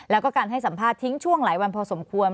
แล้วก็การให้สัมภาษณ์ทิ้งช่วงหลายวันพอสมควร